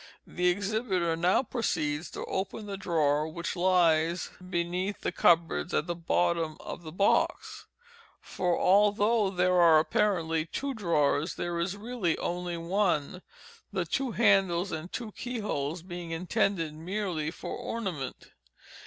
The exhibiter now proceeds to open the drawer which lies beneath the cupboards at the bottom of the box—for although there are apparently two drawers, there is really only one—the two handles and two key holes being intended merely for ornament.